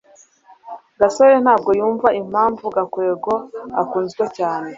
gasore ntabwo yumva impamvu gakwego akunzwe cyane